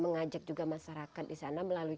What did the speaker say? mengajak juga masyarakat di sana melalui